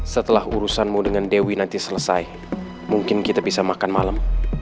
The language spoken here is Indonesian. setelah urusanmu dengan dewi nanti selesai mungkin kita bisa makan malam